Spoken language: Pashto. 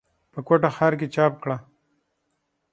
پۀ کوټه ښارکښې چاپ کړه ۔